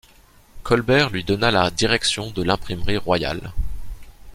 Colbert lui donna la direction de l’imprimerie royale.